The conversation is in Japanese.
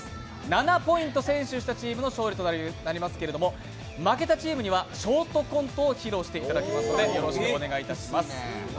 ７ポイント先取したチームの勝利となりますけれども、負けたチームにはショートコントを披露していただきます。